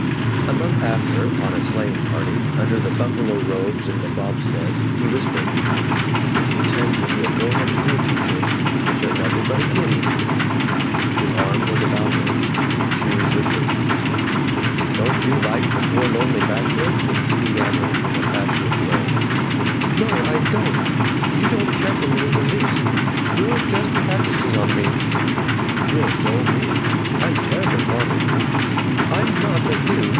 A month after, on a sleighing party, under the buffalo robes in the bob sled, he whispered, "You pretend to be a grown up schoolteacher, but you're nothing but a kiddie." His arm was about her. She resisted. "Don't you like the poor lonely bachelor?" he yammered in a fatuous way. "No, I don't! You don't care for me in the least. You're just practising on me." "You're so mean! I'm terribly fond of you." "I'm not of you.